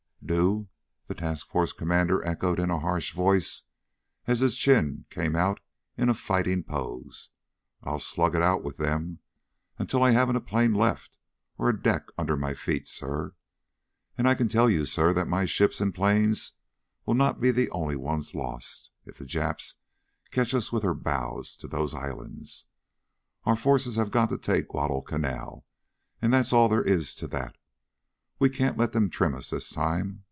"Do?" the task force commander echoed in a harsh voice, as his chin came out in a fighting pose. "I'll slug it out with them until I haven't a plane left or a deck under my feet, sir! And I can tell you, sir, that my ships and planes will not be the only ones lost, if the Japs catch us with our bows to those islands. Our forces have got to take Guadalcanal! And that's all there is to that. We can't let them trim us this time.